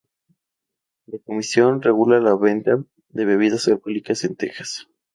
La comisión regula la venta de bebidas alcohólicas en Texas.